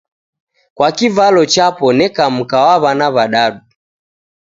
Kwa kivalo chapo neka na mka na 'wana w'adadu.